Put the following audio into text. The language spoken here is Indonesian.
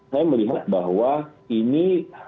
saya melihat bahwa ini